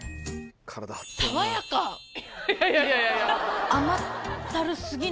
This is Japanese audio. いやいやいやいやいや。